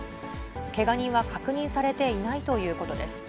けが人は確認されていないということです。